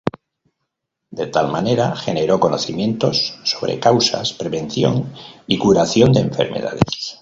De tal manera, generó conocimientos sobre causas, prevención y curación de enfermedades.